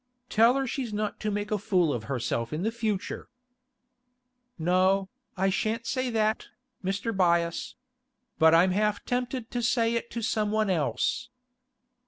'Tell her she's not to make a fool of herself in future.' 'No, I shan't say that, Mr. Byass. But I'm half tempted to say it to someone else!